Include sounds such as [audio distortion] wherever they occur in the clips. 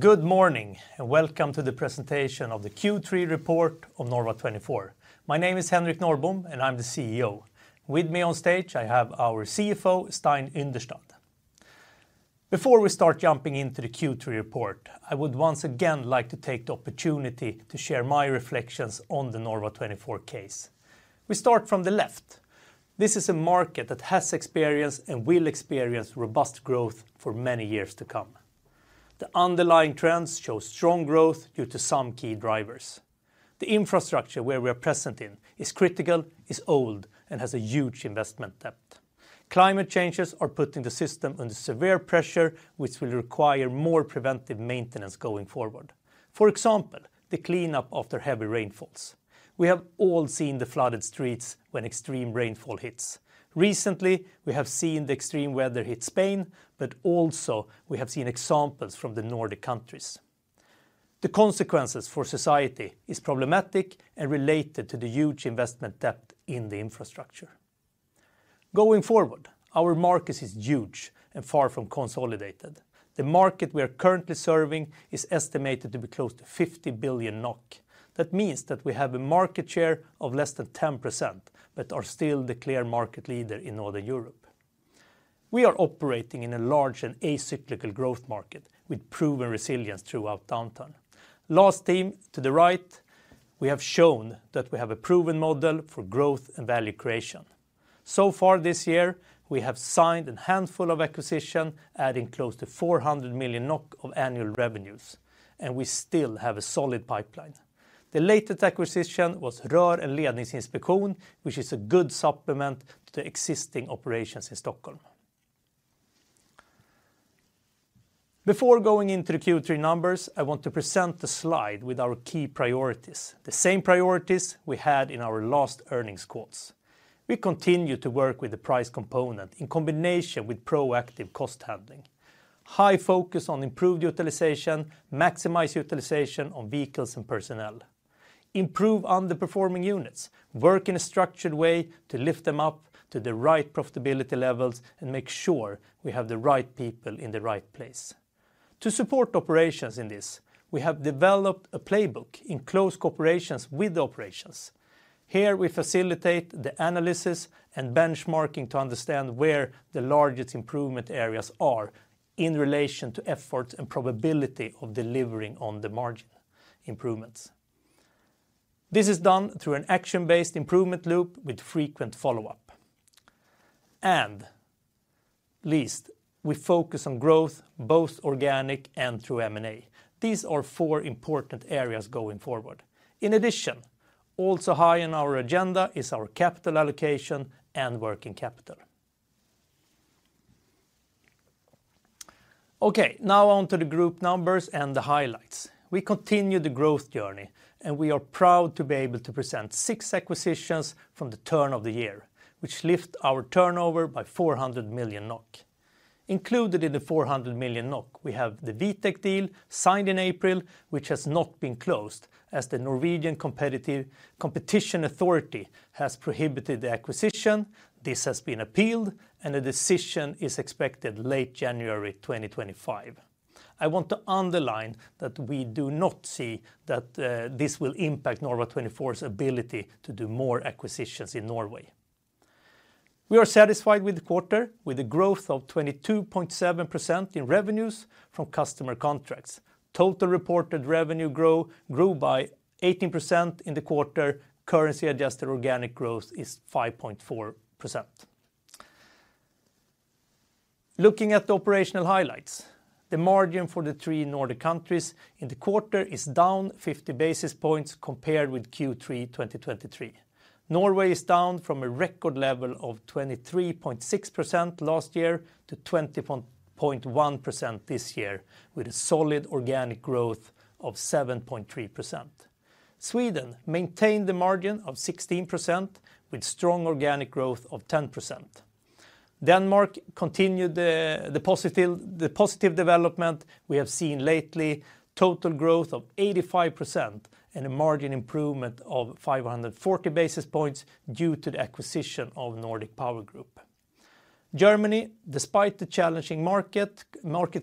Good morning, and welcome to the presentation of the Q3 report of Norva24. My name is Henrik Norrbom, and I'm the CEO. With me on stage, I have our CFO, Stein Yndestad. Before we start jumping into the Q3 report, I would once again like to take the opportunity to share my reflections on the Norva24 case. We start from the left. This is a market that has experienced and will experience robust growth for many years to come. The underlying trends show strong growth due to some key drivers. The infrastructure where we are present in is critical, is old, and has a huge investment debt. Climate changes are putting the system under severe pressure, which will require more preventive maintenance going forward. For example, the cleanup after heavy rainfalls. We have all seen the flooded streets when extreme rainfall hits. Recently, we have seen the extreme weather hit Spain, but also we have seen examples from the Nordic countries. The consequences for society are problematic and related to the huge investment debt in the infrastructure. Going forward, our market is huge and far from consolidated. The market we are currently serving is estimated to be close to 50 billion NOK. That means that we have a market share of less than 10%, but are still the clear market leader in Northern Europe. We are operating in a large and acyclical growth market with proven resilience throughout downtime. Last theme to the right, we have shown that we have a proven model for growth and value creation. So far this year, we have signed a handful of acquisitions, adding close to 400 million of annual revenues, and we still have a solid pipeline. The latest acquisition was Rör & Ledningsinspektion, which is a good supplement to the existing operations in Stockholm. Before going into the Q3 numbers, I want to present the slide with our key priorities, the same priorities we had in our last earnings quotes. We continue to work with the price component in combination with proactive cost handling. High focus on improved utilization, maximize utilization on vehicles and personnel. Improve underperforming units, work in a structured way to lift them up to the right profitability levels and make sure we have the right people in the right place. To support operations in this, we have developed a playbook in close cooperation with the operations. Here, we facilitate the analysis and benchmarking to understand where the largest improvement areas are in relation to efforts and probability of delivering on the margin improvements. This is done through an action-based improvement loop with frequent follow-up. At least, we focus on growth both organic and through M&A. These are four important areas going forward. In addition, also high on our agenda is our capital allocation and working capital. Okay, now on to the group numbers and the highlights. We continue the growth journey, and we are proud to be able to present six acquisitions from the turn of the year, which lift our turnover by 400 million NOK. Included in the 400 million NOK, we have the Vitek deal signed in April, which has not been closed as the Norwegian Competition Authority has prohibited the acquisition. This has been appealed, and a decision is expected late January 2025. I want to underline that we do not see that this will impact Norva24's ability to do more acquisitions in Norway. We are satisfied with the quarter, with a growth of 22.7% in revenues from customer contracts. Total reported revenue grew by 18% in the quarter. Currency-adjusted organic growth is 5.4%. Looking at the operational highlights, the margin for the three Nordic countries in the quarter is down 50 basis points compared with Q3 2023. Norway is down from a record level of 23.6% last year to 20.1% this year, with a solid organic growth of 7.3%. Sweden maintained the margin of 16% with strong organic growth of 10%. Denmark continued the positive development we have seen lately, total growth of 85% and a margin improvement of 540 basis points due to the acquisition of Nordic Powergroup. Germany, despite the challenging market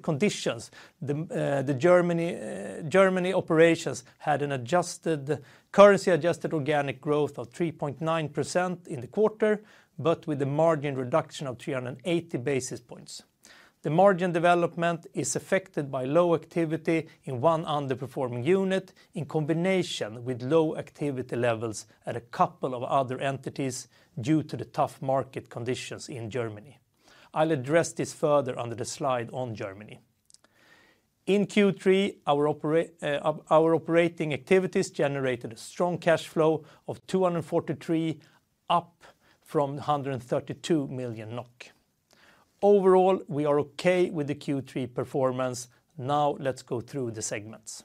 conditions, the German operations had an adjusted currency-adjusted organic growth of 3.9% in the quarter, but with a margin reduction of 380 basis points. The margin development is affected by low activity in one underperforming unit in combination with low activity levels at a couple of other entities due to the tough market conditions in Germany. I'll address this further under the slide on Germany. In Q3, our operating activities generated a strong cash flow of 243 million, up from 132 million NOK. Overall, we are okay with the Q3 performance. Now let's go through the segments.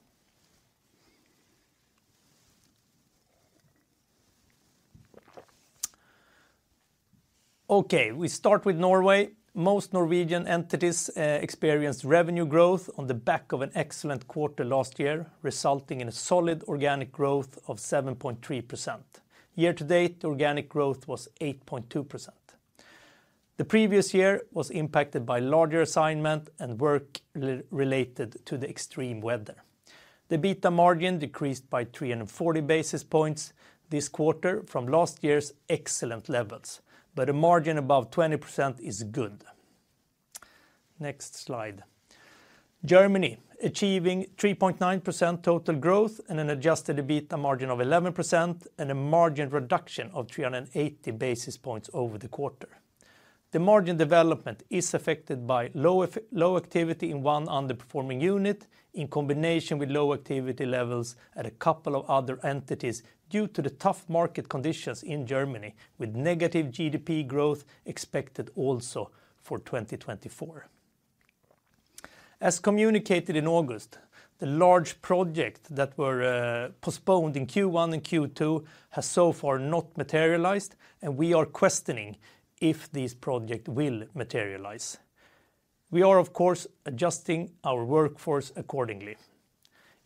Okay, we start with Norway. Most Norwegian entities experienced revenue growth on the back of an excellent quarter last year, resulting in a solid organic growth of 7.3%. Year-to-date, organic growth was 8.2%. The previous year was impacted by larger assignment and work related to the extreme weather. The EBITDA margin decreased by 340 basis points this quarter from last year's excellent levels, but a margin above 20% is good. Next slide. Germany achieving 3.9% total growth and an adjusted EBITDA margin of 11% and a margin reduction of 380 basis points over the quarter. The margin development is affected by low activity in one underperforming unit in combination with low activity levels at a couple of other entities due to the tough market conditions in Germany, with negative GDP growth expected also for 2024. As communicated in August, the large projects that were postponed in Q1 and Q2 have so far not materialized, and we are questioning if these projects will materialize. We are, of course, adjusting our workforce accordingly.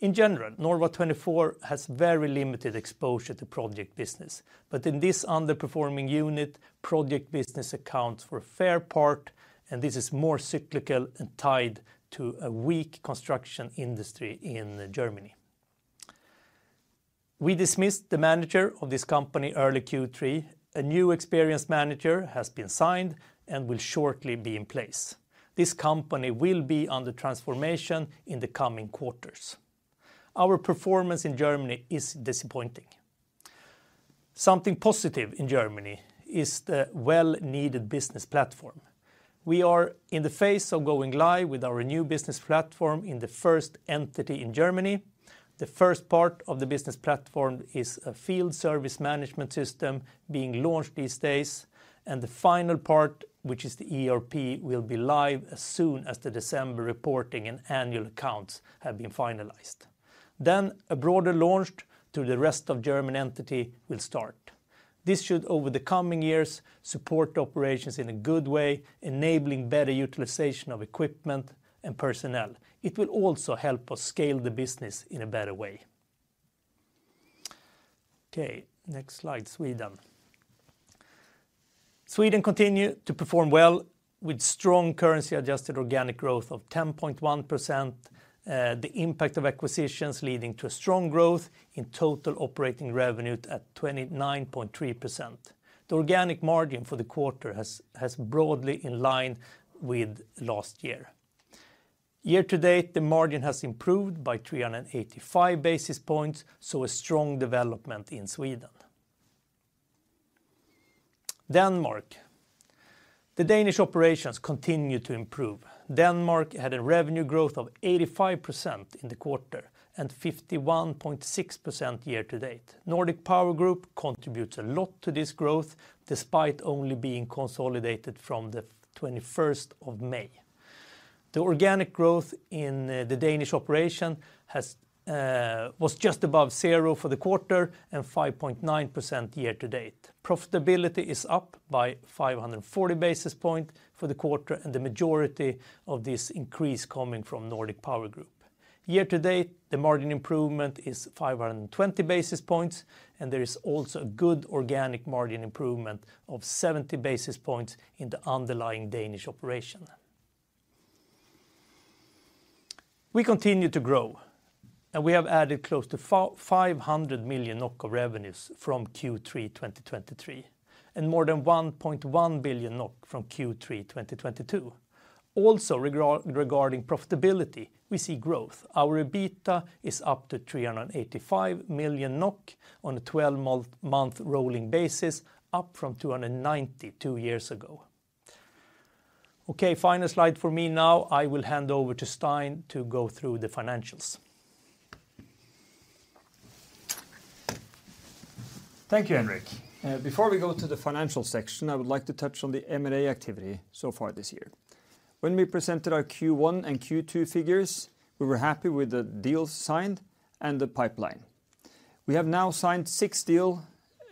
In general, Norva24 has very limited exposure to project business, but in this underperforming unit, project business accounts for a fair part, and this is more cyclical and tied to a weak construction industry in Germany. We dismissed the manager of this company early Q3. A new experienced manager has been signed and will shortly be in place. This company will be under transformation in the coming quarters. Our performance in Germany is disappointing. Something positive in Germany is the well-needed business platform. We are in the phase of going live with our new business platform in the first entity in Germany. The first part of the business platform is a field service management system being launched these days, and the final part, which is the ERP, will be live as soon as the December reporting and annual accounts have been finalized. Then a broader launch to the rest of German entity will start. This should, over the coming years, support operations in a good way, enabling better utilization of equipment and personnel. It will also help us scale the business in a better way. Okay, next slide, Sweden. Sweden continued to perform well with strong currency-adjusted organic growth of 10.1%. The impact of acquisitions is leading to a strong growth in total operating revenue at 29.3%. The organic margin for the quarter has broadly been in line with last year. Year-to-date, the margin has improved by 385 basis points, so a strong development in Sweden. Denmark. The Danish operations continue to improve. Denmark had a revenue growth of 85% in the quarter and 51.6% year-to-date. Nordic Powergroup contributes a lot to this growth despite only being consolidated from the 21st of May. The organic growth in the Danish operation was just above zero for the quarter and 5.9% year-to-date. Profitability is up by 540 basis points for the quarter, and the majority of this increase is coming from Nordic Powergroup. Year-to-date, the margin improvement is 520 basis points, and there is also a good organic margin improvement of 70 basis points in the underlying Danish operation. We continue to grow, and we have added close to 500 million NOK of revenues from Q3 2023 and more than 1.1 billion NOK from Q3 2022. Also, regarding profitability, we see growth. Our EBITDA is up to 385 million NOK on a 12-month rolling basis, up from 290 two years ago. Okay, final slide for me now. I will hand over to Stein to go through the financials. Thank you, Henrik. Before we go to the financial section, I would like to touch on the M&A activity so far this year. When we presented our Q1 and Q2 figures, we were happy with the deals signed and the pipeline. We have now signed six deals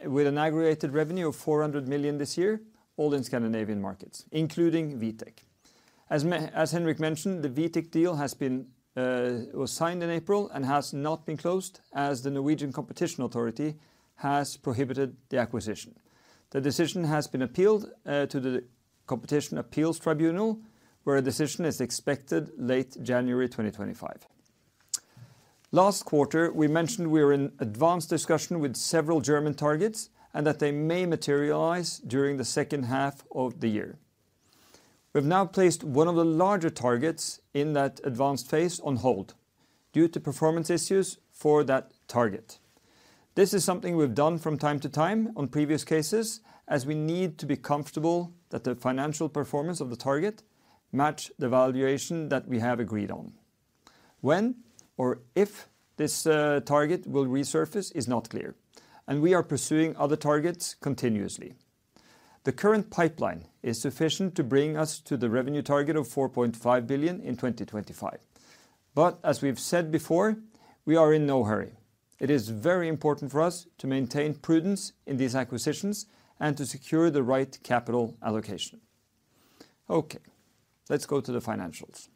with an aggregate revenue of 400 million this year, all in Scandinavian markets, including Vitek. As Henrik mentioned, the Vitek deal was signed in April and has not been closed as the Norwegian Competition Authority has prohibited the acquisition. The decision has been appealed to the Competition Appeals Tribunal, where a decision is expected late January 2025. Last quarter, we mentioned we are in advanced discussion with several German targets and that they may materialize during the second half of the year. We have now placed one of the larger targets in that advanced phase on hold due to performance issues for that target. This is something we've done from time to time on previous cases as we need to be comfortable that the financial performance of the target matches the valuation that we have agreed on. When or if this target will resurface is not clear, and we are pursuing other targets continuously. The current pipeline is sufficient to bring us to the revenue target of 4.5 billion in 2025. But as we've said before, we are in no hurry. It is very important for us to maintain prudence in these acquisitions and to secure the right capital allocation. Okay, let's go to the financials.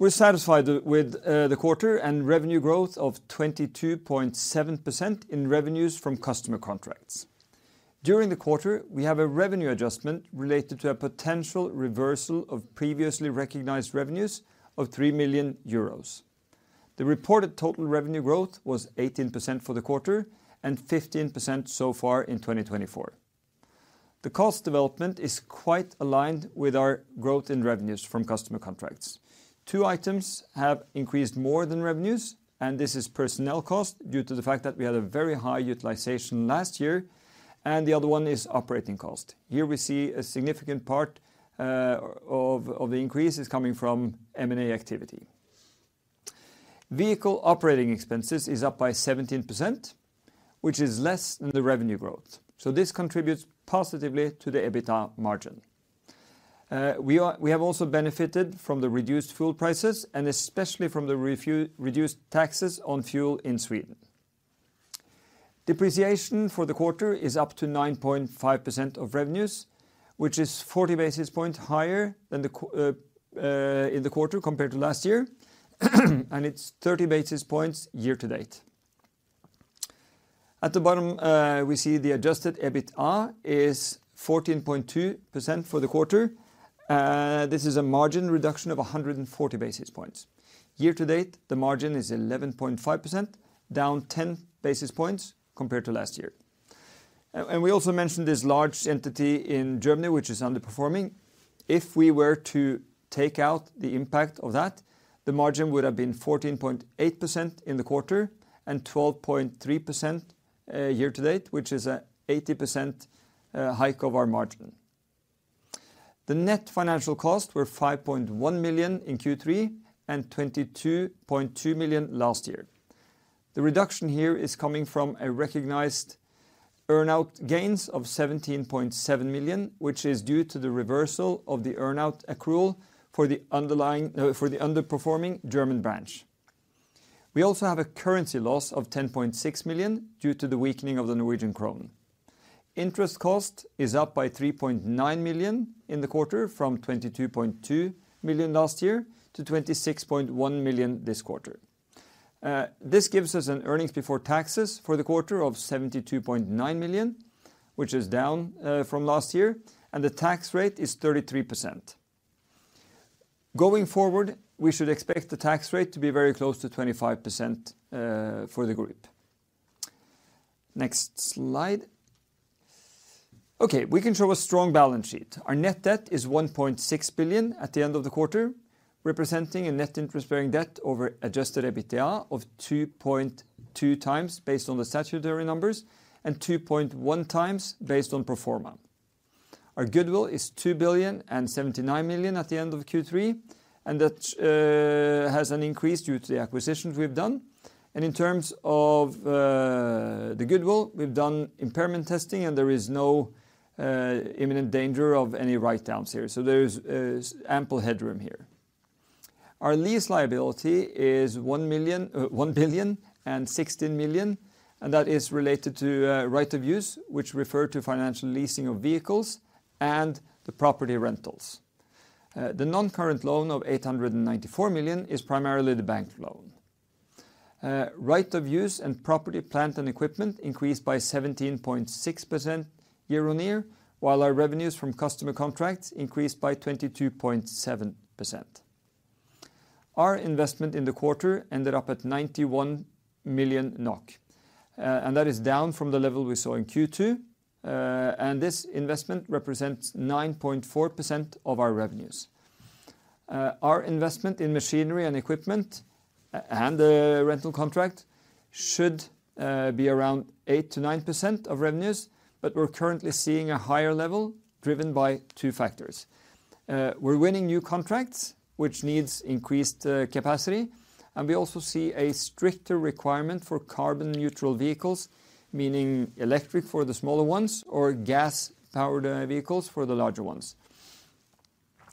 We're satisfied with the quarter and revenue growth of 22.7% in revenues from customer contracts. During the quarter, we have a revenue adjustment related to a potential reversal of previously recognized revenues of 3 million euros. The reported total revenue growth was 18% for the quarter and 15% so far in 2024. The cost development is quite aligned with our growth in revenues from customer contracts. Two items have increased more than revenues, and this is personnel cost due to the fact that we had a very high utilization last year, and the other one is operating cost. Here we see a significant part of the increase is coming from M&A activity. Vehicle operating expenses are up by 17%, which is less than the revenue growth. So this contributes positively to the EBITDA margin. We have also benefited from the reduced fuel prices and especially from the reduced taxes on fuel in Sweden. Depreciation for the quarter is up to 9.5% of revenues, which is 40 basis points higher than in the quarter compared to last year, and it's 30 basis points year-to-date. At the bottom, we see the adjusted EBITDA is 14.2% for the quarter. This is a margin reduction of 140 basis points. Year-to-date, the margin is 11.5%, down 10 basis points compared to last year. We also mentioned this large entity in Germany, which is underperforming. If we were to take out the impact of that, the margin would have been 14.8% in the quarter and 12.3% year-to-date, which is an 80% hike of our margin. The net financial costs were 5.1 million in Q3 and 22.2 million last year. The reduction here is coming from a recognized earn-out gains of 17.7 million, which is due to the reversal of the earn-out accrual for the underperforming German branch. We also have a currency loss of 10.6 million due to the weakening of the Norwegian krone. Interest cost is up by 3.9 million in the quarter from 22.2 million last year to 26.1 million this quarter. This gives us an earnings before taxes for the quarter of 72.9 million, which is down from last year, and the tax rate is 33%. Going forward, we should expect the tax rate to be very close to 25% for the group. Next slide. Okay, we can show a strong balance sheet. Our net debt is 1.6 billion at the end of the quarter, representing a net interest-bearing debt over adjusted EBITDA of 2.2x based on the statutory numbers and 2.1x based on pro forma. Our goodwill is 2 billion and 79 million at the end of Q3, and that has an increase due to the acquisitions we've done. In terms of the goodwill, we've done impairment testing, and there is no imminent danger of any write-downs here, so there is ample headroom here. Our lease liability is 1 billion and 16 million, and that is related to right of use, which refers to financial leasing of vehicles and the property rentals. The non-current loan of 894 million is primarily the bank loan. Right of use and property plant and equipment increased by 17.6% year-on-year, while our revenues from customer contracts increased by 22.7%. Our investment in the quarter ended up at 91 million NOK, and that is down from the level we saw in Q2, and this investment represents 9.4% of our revenues. Our investment in machinery and equipment and the rental contract should be around 8%-9% of revenues, but we're currently seeing a higher level driven by two factors. We're winning new contracts, which needs increased capacity, and we also see a stricter requirement for carbon-neutral vehicles, meaning electric for the smaller ones or gas-powered vehicles for the larger ones,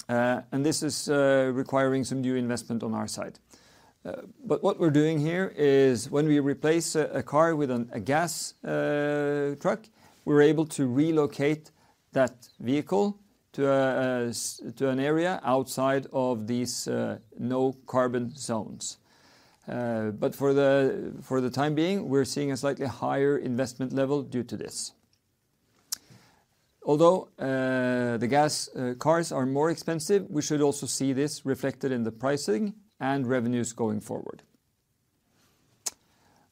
and this is requiring some new investment on our side, but what we're doing here is when we replace a car with a gas truck, we're able to relocate that vehicle to an area outside of these no-carbon zones, but for the time being, we're seeing a slightly higher investment level due to this. Although the gas cars are more expensive, we should also see this reflected in the pricing and revenues going forward.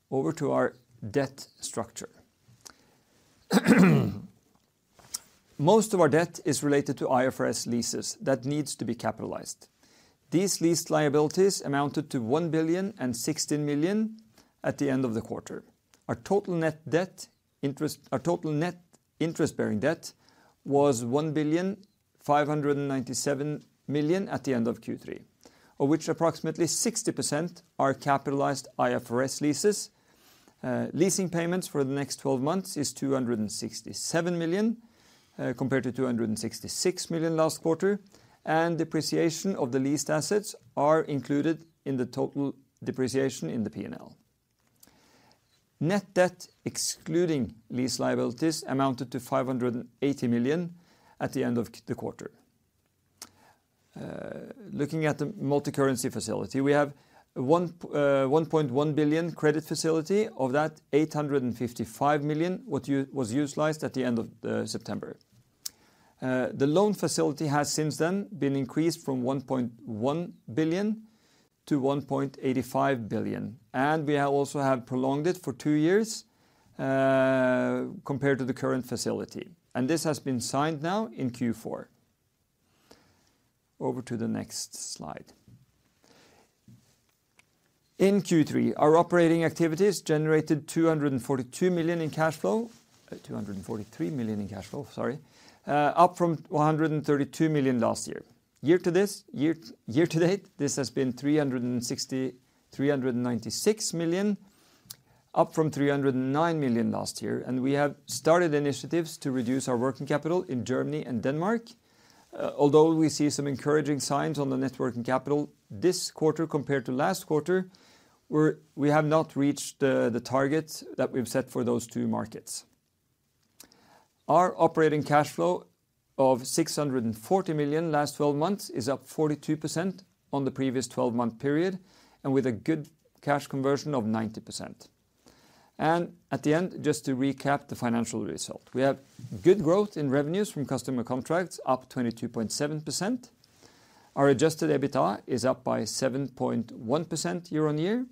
Over to our debt structure. Most of our debt is related to IFRS leases that need to be capitalized. These lease liabilities amounted to 1,016,000,000 at the end of the quarter. Our total net interest-bearing debt was 1,597,000,000 at the end of Q3, of which approximately 60% are capitalized IFRS leases. Leasing payments for the next 12 months are 267 million compared to 266 million last quarter, and depreciation of the leased assets is included in the total depreciation in the P&L. Net debt excluding lease liabilities amounted to 580 million at the end of the quarter. Looking at the multi-currency facility, we have 1.1 billion credit facility of that 855 million was utilized at the end of September. The loan facility has since then been increased from 1.1 billion to 1.85 billion, and we also have prolonged it for two years compared to the current facility, and this has been signed now in Q4. Over to the next slide. In Q3, our operating activities generated 242 million in cash flow, 243 million in cash flow, sorry, up from 132 million last year. Year-to-date, this has been 396 million, up from 309 million last year, and we have started initiatives to reduce our working capital in Germany and Denmark. Although we see some encouraging signs on the net working capital this quarter compared to last quarter, we have not reached the target that we've set for those two markets. Our operating cash flow of 640 million last 12 months is up 42% on the previous 12-month period and with a good cash conversion of 90%. At the end, just to recap the financial result, we have good growth in revenues from customer contracts, up 22.7%. Our adjusted EBITDA is up by 7.1% year-on-year,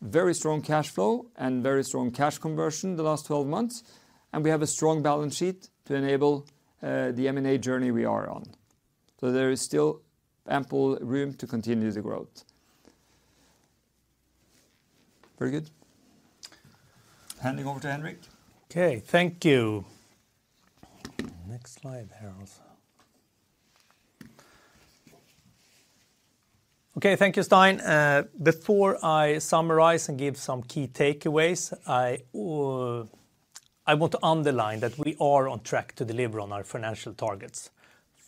very strong cash flow and very strong cash conversion the last 12 months, and we have a strong balance sheet to enable the M&A journey we are on. So there is still ample room to continue the growth. Very good. Handing over to Henrik. Okay, thank you. Next slide. [audio distortion] Okay, thank you, Stein. Before I summarize and give some key takeaways, I want to underline that we are on track to deliver on our financial targets: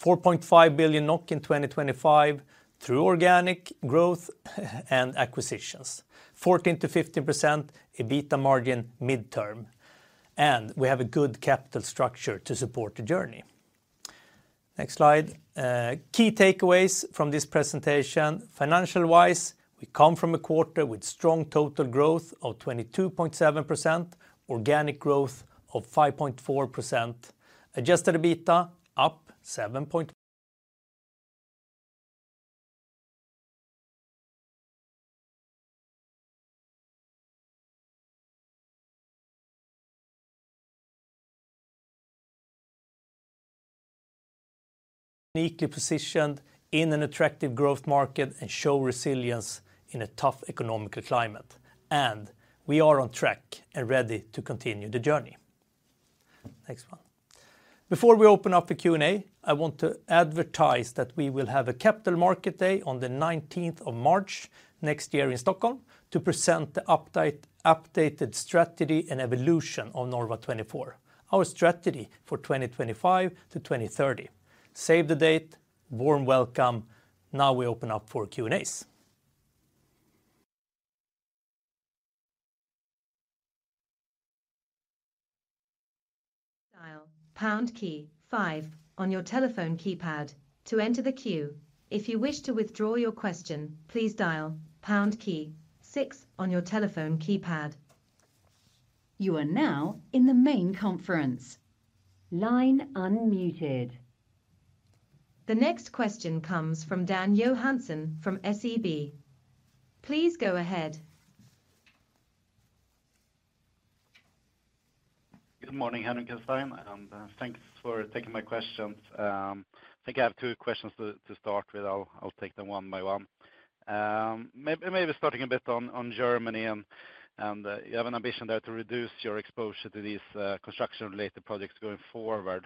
4.5 billion NOK in 2025 through organic growth and acquisitions, 14%-15% EBITDA margin midterm, and we have a good capital structure to support the journey. Next slide. Key takeaways from this presentation. Financial-wise, we come from a quarter with strong total growth of 22.7%, organic growth of 5.4%, adjusted EBITDA up [7 point]. Uniquely positioned in an attractive growth market and show resilience in a tough economic climate, and we are on track and ready to continue the journey. Next one. Before we open up the Q&A, I want to advertise that we will have a Capital Market Day on the 19th of March next year in Stockholm to present the updated strategy and evolution of Norva24, our strategy for 2025-2030. Save the date, warm welcome. Now we open up for Q&As. Dial pound key five on your telephone keypad to enter the queue. If you wish to withdraw your question, please dial pound key six on your telephone keypad. You are now in the main conference. Line unmuted. The next question comes from Dan Johansson from SEB. Please go ahead. Good morning, Henrik and Stein. Thanks for taking my questions. I think I have two questions to start with. I'll take them one by one. Maybe starting a bit on Germany, and you have an ambition there to reduce your exposure to these construction-related projects going forward.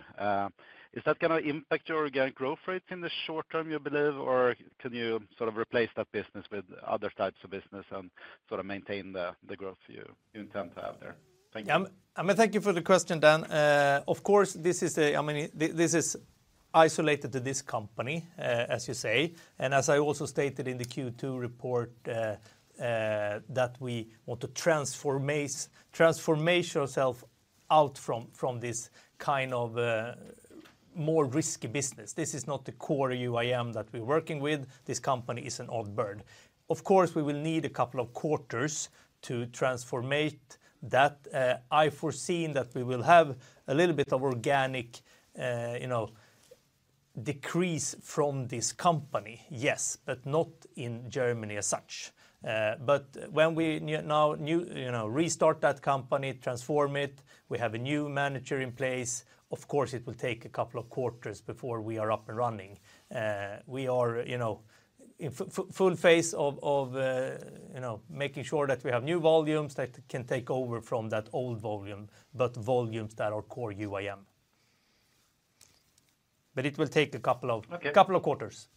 Is that going to impact your organic growth rates in the short term, you believe, or can you sort of replace that business with other types of business and sort of maintain the growth you intend to have there? Thank you. I'm going to thank you for the question, Dan. Of course, this is isolated to this company, as you say, and as I also stated in the Q2 report, that we want to transform ourselves out from this kind of more risky business. This is not the core UIM that we're working with. This company is an odd bird. Of course, we will need a couple of quarters to transform that. I foresee that we will have a little bit of organic decrease from this company, yes, but not in Germany as such. But when we now restart that company, transform it, we have a new manager in place, of course, it will take a couple of quarters before we are up and running. We are in full phase of making sure that we have new volumes that can take over from that old volume, but volumes that are core UIM. But it will take a couple of quarters.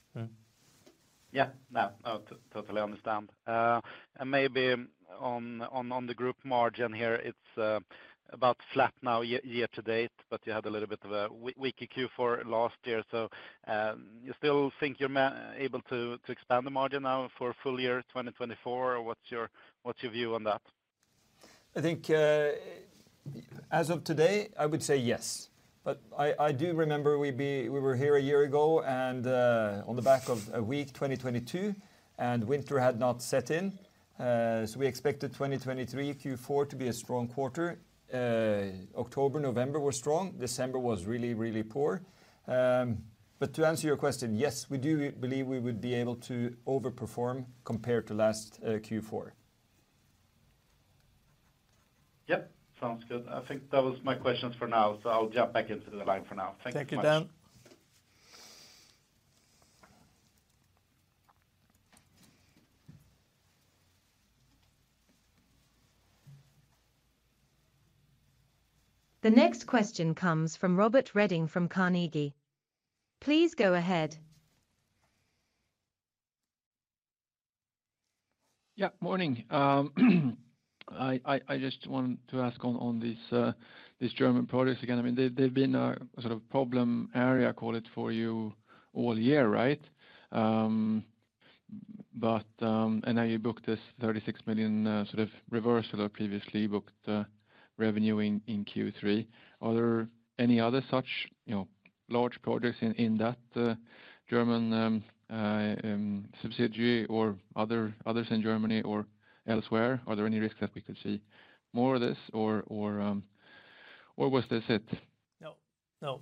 Yeah, no, I totally understand, and maybe on the group margin here, it's about flat now year-to-date, but you had a little bit of a weak Q4 last year, so you still think you're able to expand the margin now for full year 2024? What's your view on that? I think as of today, I would say yes. But I do remember we were here a year ago and on the back of a weak 2022, and winter had not set in. So we expected 2023 Q4 to be a strong quarter. October, November were strong. December was really, really poor. But to answer your question, yes, we do believe we would be able to overperform compared to last Q4. Yep, sounds good. I think that was my questions for now, so I'll jump back into the line for now. Thank you. Thank you, Dan. The next question comes from Robert Redding from Carnegie. Please go ahead. Yeah, morning. I just want to ask on these German projects again. I mean, they've been a sort of problem area, I call it, for you all year, right? And now you booked this 36 million sort of reversal of previously booked revenue in Q3. Are there any other such large projects in that German subsidiary or others in Germany or elsewhere? Are there any risks that we could see more of this, or was this it? No, no.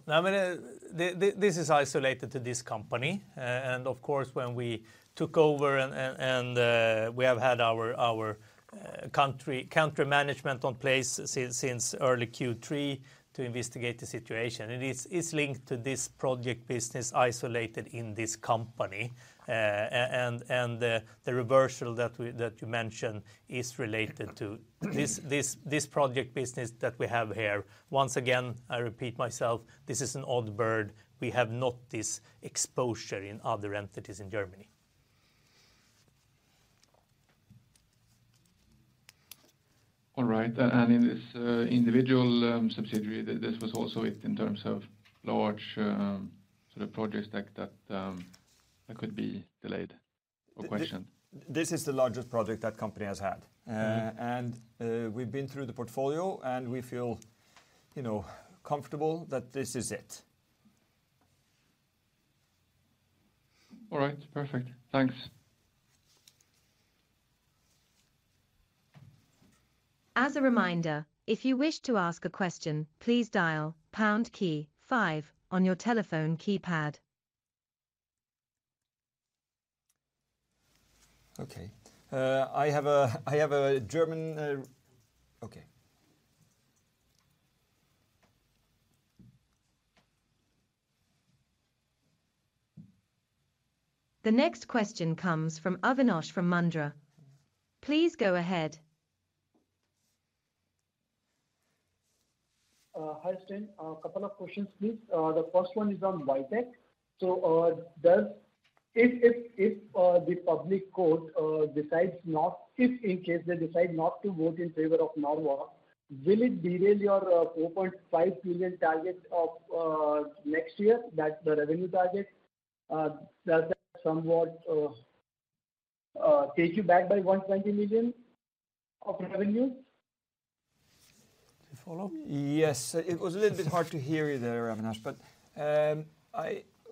This is isolated to this company, and of course, when we took over and we have had our country management in place since early Q3 to investigate the situation. And it's linked to this project business isolated in this company. And the reversal that you mentioned is related to this project business that we have here. Once again, I repeat myself; this is an odd bird. We have not this exposure in other entities in Germany. All right. And in this individual subsidiary, this was also it in terms of large sort of projects that could be delayed or questioned. This is the largest project that company has had, and we've been through the portfolio, and we feel comfortable that this is it. All right, perfect. Thanks. As a reminder, if you wish to ask a question, please dial pound key five on your telephone keypad. Okay. I have a German. Okay. The next question comes from Avinash from Mandra. Please go ahead. Hi Stein, a couple of questions, please. The first one is on Vitek. So if the public court decides not to vote in favor of Norva, will it derail your 4.5 million target of next year, that's the revenue target? Does that somewhat take you back by 120 million of revenue? Yes, it was a little bit hard to hear you there, Avinash, but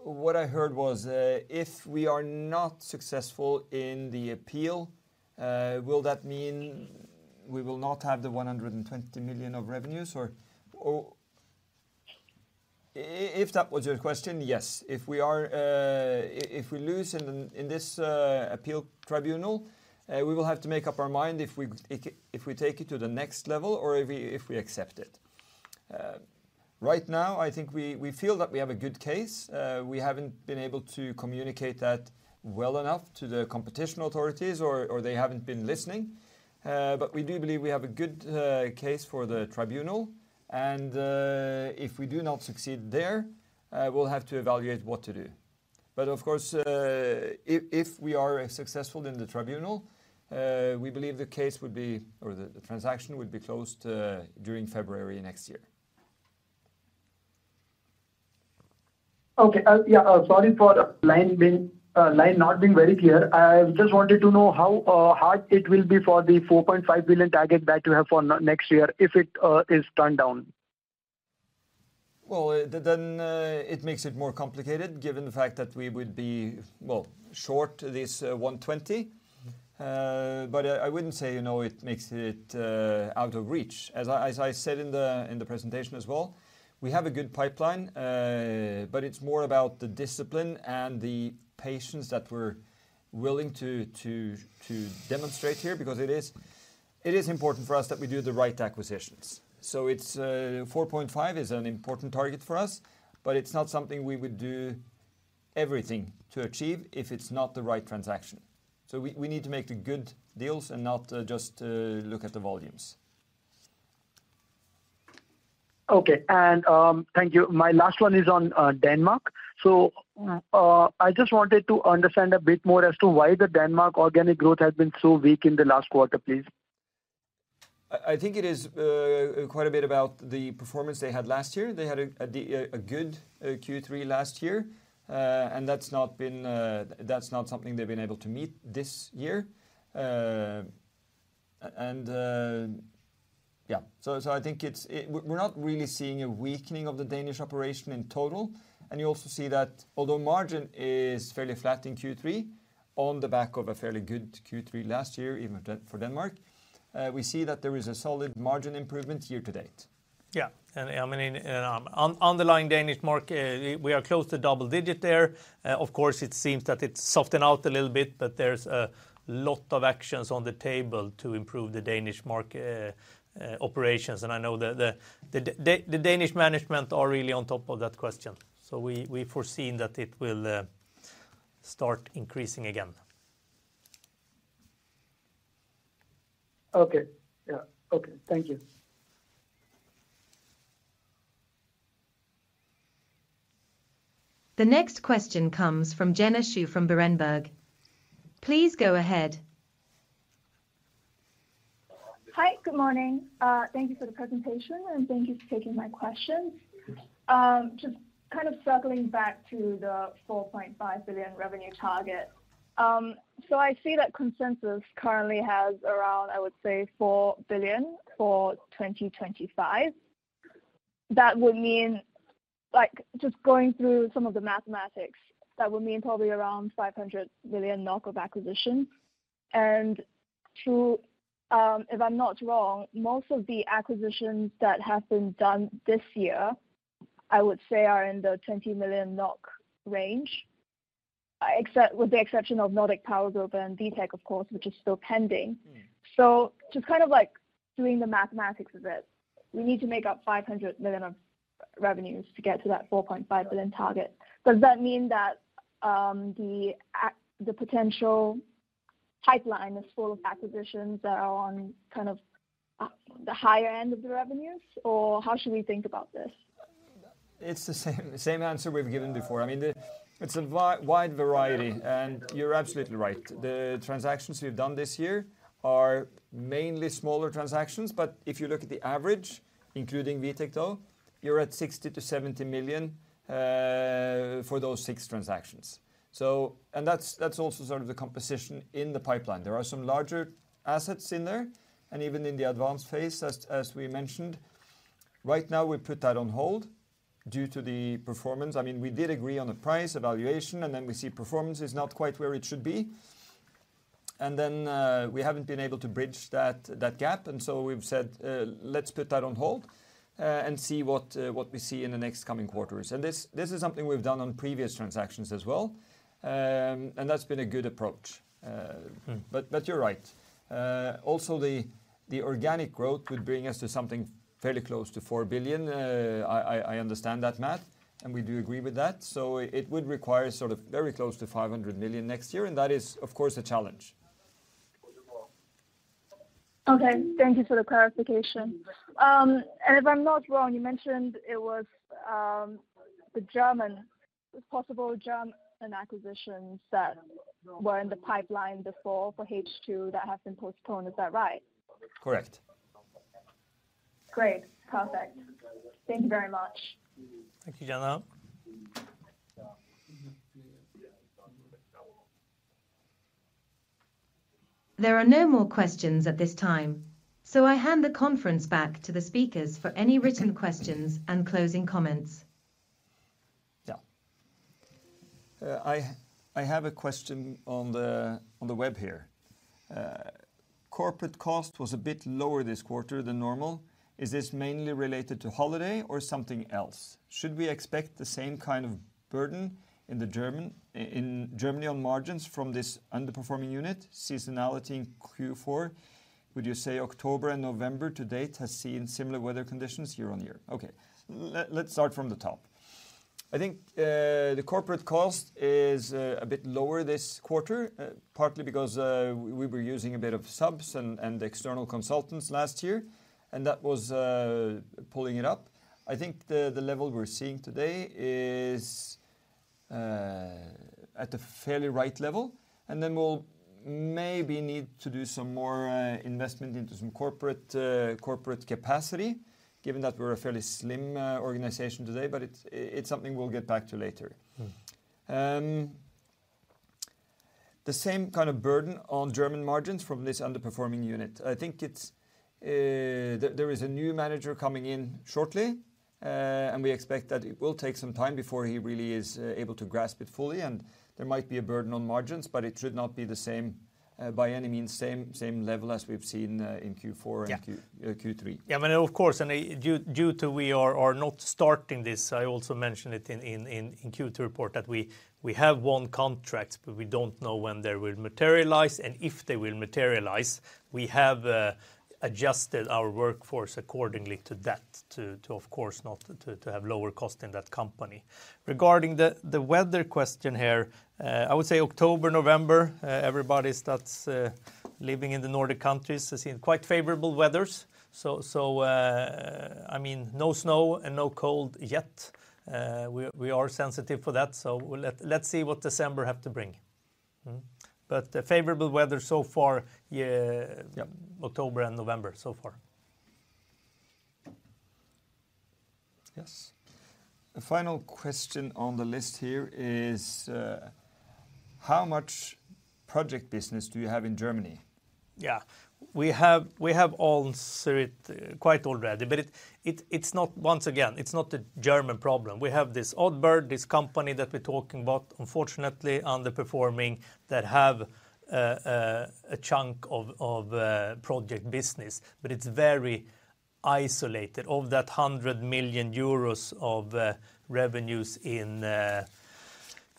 what I heard was if we are not successful in the appeal, will that mean we will not have the 120 million of revenues, or if that was your question, yes. If we lose in this appeal tribunal, we will have to make up our mind if we take it to the next level or if we accept it. Right now, I think we feel that we have a good case. We haven't been able to communicate that well enough to the competition authorities, or they haven't been listening, but we do believe we have a good case for the tribunal, and if we do not succeed there, we'll have to evaluate what to do. But of course, if we are successful in the tribunal, we believe the case would be, or the transaction would be closed during February next year. Okay, yeah, sorry for the line not being very clear. I just wanted to know how hard it will be for the 4.5 million target that you have for next year if it is turned down. Then it makes it more complicated given the fact that we would be, well, short this 120. But I wouldn't say it makes it out of reach. As I said in the presentation as well, we have a good pipeline, but it's more about the discipline and the patience that we're willing to demonstrate here because it is important for us that we do the right acquisitions. So 4.5 is an important target for us, but it's not something we would do everything to achieve if it's not the right transaction. So we need to make the good deals and not just look at the volumes. Okay, and thank you. My last one is on Denmark. So I just wanted to understand a bit more as to why the Denmark organic growth has been so weak in the last quarter, please. I think it is quite a bit about the performance they had last year. They had a good Q3 last year, and that's not something they've been able to meet this year. And yeah, so I think we're not really seeing a weakening of the Danish operation in total. And you also see that although margin is fairly flat in Q3, on the back of a fairly good Q3 last year, even for Denmark, we see that there is a solid margin improvement year-to-date. Yeah. And I mean, on the line Danish market, we are close to double digit there. Of course, it seems that it's softened out a little bit, but there's a lot of actions on the table to improve the Danish market operations. And I know the Danish management are really on top of that question. So we foresee that it will start increasing again. Okay, yeah, okay, thank you. The next question comes from Jenna Xu from Berenberg. Please go ahead. Hi, good morning. Thank you for the presentation, and thank you for taking my question. Just kind of circling back to the 4.5 billion revenue target. So I see that consensus currently has around, I would say, 4 billion for 2025. That would mean, just going through some of the mathematics, that would mean probably around 500 million NOK of acquisitions. And if I'm not wrong, most of the acquisitions that have been done this year, I would say, are in the 20 million NOK range, with the exception of Nordic Powergroup and Vitek, of course, which is still pending. So just kind of like doing the mathematics of it, we need to make up 500 million of revenues to get to that 4.5 billion target. Does that mean that the potential pipeline is full of acquisitions that are on kind of the higher end of the revenues, or how should we think about this? It's the same answer we've given before. I mean, it's a wide variety, and you're absolutely right. The transactions we've done this year are mainly smaller transactions, but if you look at the average, including Vitek though, you're at 60 million-70 million for those six transactions, and that's also sort of the composition in the pipeline. There are some larger assets in there, and even in the advanced phase, as we mentioned. Right now, we put that on hold due to the performance. I mean, we did agree on the price evaluation, and then we see performance is not quite where it should be, and then we haven't been able to bridge that gap, and so we've said, let's put that on hold and see what we see in the next coming quarters. This is something we've done on previous transactions as well, and that's been a good approach. You're right. Also, the organic growth would bring us to something fairly close to 4 billion. I understand that, Matt, and we do agree with that. It would require sort of very close to 500 million next year, and that is, of course, a challenge. Okay, thank you for the clarification and if I'm not wrong, you mentioned it was possible German acquisitions that were in the pipeline before for H2 that have been postponed. Is that right? Correct. Great, perfect. Thank you very much. Thank you, Jana. There are no more questions at this time, so I hand the conference back to the speakers for any written questions and closing comments. Yeah. I have a question on the web here. Corporate cost was a bit lower this quarter than normal. Is this mainly related to holiday or something else? Should we expect the same kind of burden in Germany on margins from this underperforming unit? Seasonality in Q4, would you say October and November to date has seen similar weather conditions year on year? Okay, let's start from the top. I think the corporate cost is a bit lower this quarter, partly because we were using a bit of subs and external consultants last year, and that was pulling it up. I think the level we're seeing today is at a fairly right level. And then we'll maybe need to do some more investment into some corporate capacity, given that we're a fairly slim organization today, but it's something we'll get back to later. The same kind of burden on German margins from this underperforming unit. I think there is a new manager coming in shortly, and we expect that it will take some time before he really is able to grasp it fully, and there might be a burden on margins, but it should not be the same, by any means, same level as we've seen in Q4 and Q3. Yeah, I mean, of course, and due to we are not starting this. I also mentioned it in Q2 report that we have one contract, but we don't know when they will materialize. And if they will materialize, we have adjusted our workforce accordingly to that, to, of course, not to have lower cost in that company. Regarding the weather question here, I would say October, November, everybody that's living in the Nordic countries has seen quite favorable weather. So I mean, no snow and no cold yet. We are sensitive for that, so let's see what December have to bring. But favorable weather so far, yeah, October and November so far. Yes. The final question on the list here is, how much project business do you have in Germany? Yeah, we have all quiet already, but it's not, once again, it's not the German problem. We have this odd bird, this company that we're talking about, unfortunately underperforming, that have a chunk of project business, but it's very isolated. Of that 100 million euros of revenues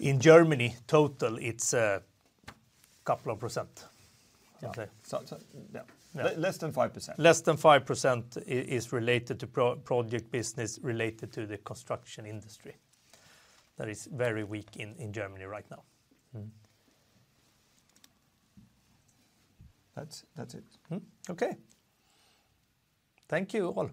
in Germany total, it's a couple of percent. Yeah. Less than 5%. Less than 5% is related to project business related to the construction industry. That is very weak in Germany right now. That's it. Okay. Thank you all.